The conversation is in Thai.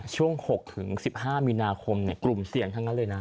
ช่วง๖๑๕มีนาคมกลุ่มเสี่ยงทั้งนั้นเลยนะ